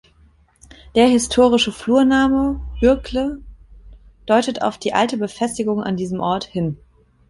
Der historische Flurname „Bürgle“ deutet auf die alte Befestigung an diesem Ort hin.